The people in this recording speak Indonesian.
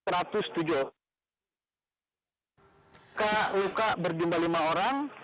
luka luka berjumlah lima orang